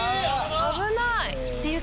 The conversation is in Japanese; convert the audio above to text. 危ない！